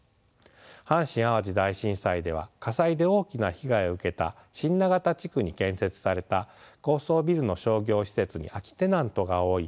阪神・淡路大震災では火災で大きな被害を受けた新長田地区に建設された高層ビルの商業施設に空きテナントが多い。